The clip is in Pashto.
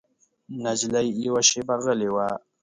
نجلۍ یوه شېبه غلی وه.